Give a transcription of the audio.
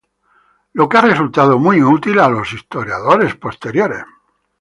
Lo que ha resultado muy útil a los historiadores posteriores.